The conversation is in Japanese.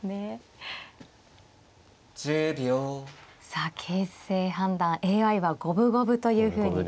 さあ形勢判断ＡＩは五分五分というふうに。